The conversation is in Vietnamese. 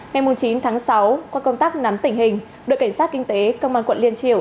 ngày chín tháng sáu qua công tác nắm tình hình đội cảnh sát kinh tế công an quận liên triều